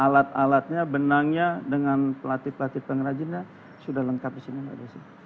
alat alatnya benangnya dengan pelatih pelatih pengrajinnya sudah lengkap di sini mbak desi